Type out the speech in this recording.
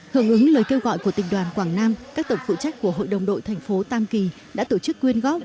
hưởng ứng lời kêu gọi của tỉnh đoàn quảng nam các tổng phụ trách của hội đồng đội thành phố tam kỳ đã tổ chức quyên góp